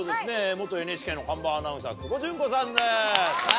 元ＮＨＫの看板アナウンサー久保純子さんです。